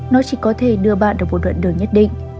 nó chỉ có thể đưa bạn được một đoạn đường nhất định